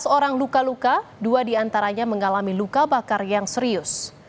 sebelas orang luka luka dua diantaranya mengalami luka bakar yang serius